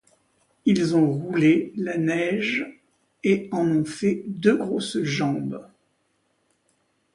Ils ont roulé la neige et en ont fait deux grosses jambes.